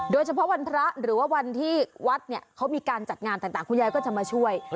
โดยเฉพาะวันพระหรือว่าวันที่วัดเนี่ยเขามีการจัดงานต่างคุณยายก็จะมาช่วย